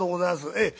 ええ。